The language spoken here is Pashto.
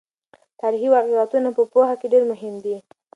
تاریخي واقعیتونه په پوهه کې ډېر مهم دي.